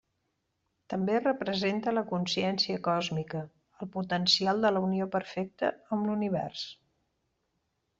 També representa la consciència còsmica, el potencial de la unió perfecta amb l'univers.